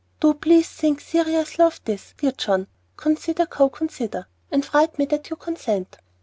Do please think seriously of this, dear John. 'Consider, cow, consider, ' and write me that you consent.